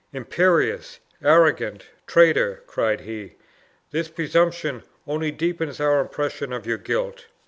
"Imperious, arrogant traitor!" cried he; "this presumption only deepens our impression of your guilt!